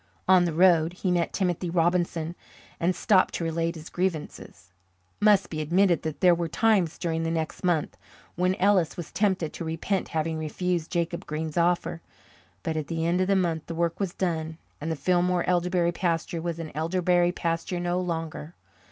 On the road he met Timothy Robinson and stopped to relate his grievances. It must be admitted that there were times during the next month when Ellis was tempted to repent having refused Jacob Green's offer. But at the end of the month the work was done and the Fillmore elderberry pasture was an elderberry pasture no longer.